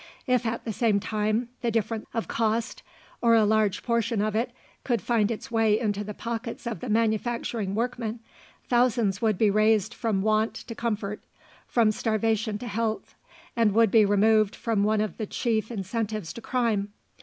If at the same time the difference of cost, or a large portion of it, could find its way into the pockets of the manufacturing workmen, thousands would be raised from want to comfort, from starvation to health, and would be removed from one of the chief incentives to crime.